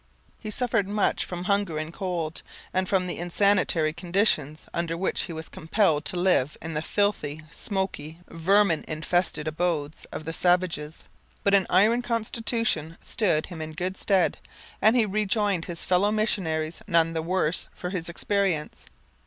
He suffered much from hunger and cold, and from the insanitary conditions under which he was compelled to live in the filthy, smoky, vermin infested abodes of the savages. But an iron constitution stood him in good stead, and he rejoined his fellow missionaries none the worse for his experience.